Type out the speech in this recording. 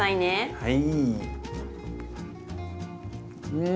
はい。